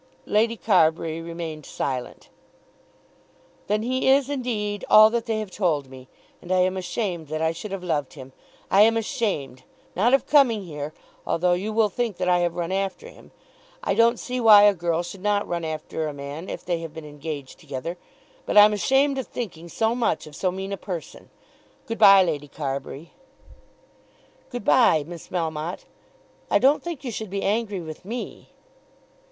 Lady Carbury remained silent. "Then he is indeed all that they have told me; and I am ashamed that I should have loved him. I am ashamed; not of coming here, although you will think that I have run after him. I don't see why a girl should not run after a man if they have been engaged together. But I'm ashamed of thinking so much of so mean a person. Good bye, Lady Carbury." "Good bye, Miss Melmotte. I don't think you should be angry with me."